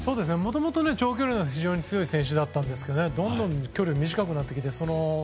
もともと長距離が非常に強い選手だったんですけどどんどん距離が短くなってきて。